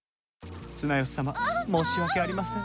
綱吉様申し訳ありません。